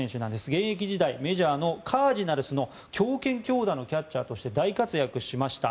現役時代はメジャーのカージナルスの強肩強打のキャッチャーとして大活躍しました。